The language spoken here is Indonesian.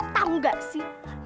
tau gak sih